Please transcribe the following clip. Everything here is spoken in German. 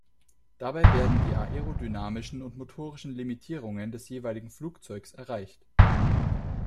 Dabei werden die aerodynamischen und motorischen Limitierungen des jeweiligen Flugzeuges erreicht.